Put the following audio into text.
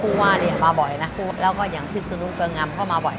ผู้ว่านี้เขามาบ่อยนะแล้วก็อย่างพิศูลกลัองอำเข้ามาบ่อย